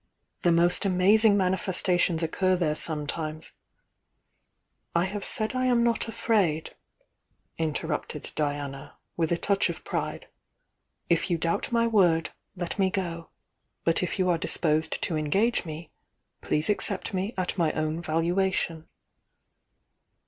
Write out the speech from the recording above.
"The most amazing manifestations occur there some times " "I have said I am not afraid," interrupted Diana, with a touch of pride. "If you doubt my word, let me go, — but if you are disposed to engage me, please accept me at my own valuation."